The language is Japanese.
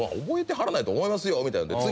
「覚えてはらないと思いますよ」みたいな。